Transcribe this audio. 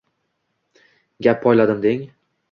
Gap poyladim deng